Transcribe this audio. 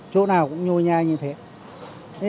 chỗ nào cũng nhôi nhai như thế